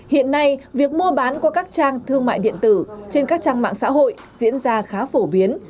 hiện nay việc mua bán qua các trang thương mại điện tử trên các trang mạng xã hội diễn ra khá phổ biến